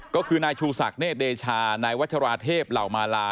ก็คือนายชูศักดิเดชานายวัชราเทพเหล่ามาลา